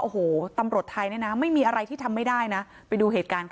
โอ้โหตำรวจไทยเนี่ยนะไม่มีอะไรที่ทำไม่ได้นะไปดูเหตุการณ์ค่ะ